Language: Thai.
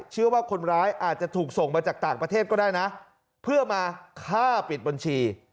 เชื่อว่าคนร้ายอาจจะถูกส่งมาจากต่างประเทศก็ได้นะเพื่อมาฆ่าปิดบัญชี